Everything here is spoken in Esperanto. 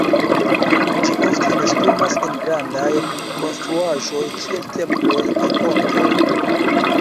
Ĝi ofte nestumas en grandaj konstruaĵoj kiel temploj kaj pontoj.